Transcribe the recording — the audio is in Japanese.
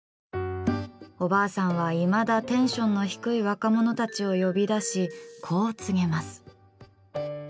おばあさんはいまだテンションの低い若者たちを呼び出しこう告げます。